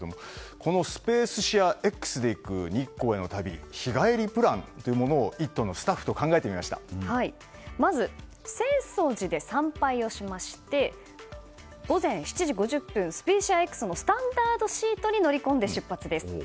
この「スペーシアＸ」で行く日光への旅日帰りプランというものを「イット！」のスタッフとまず、浅草寺で参拝をしまして、午前７時５０分「スペーシアＸ」のスタンダードシートに乗り込んで出発です。